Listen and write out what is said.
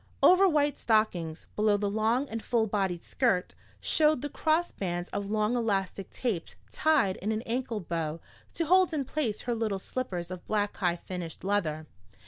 Over white stockings, below the long and full bodied skirt, showed the crossed bands of long elastic tapes tied in an ankle bow to hold in place her little slippers of black high finished leather.